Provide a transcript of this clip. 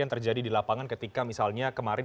yang terjadi di lapangan ketika misalnya kemarin